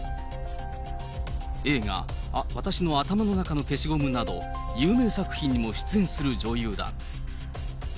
映画、私の頭の中の消しゴムなど、有名作品にも出演する女優だ。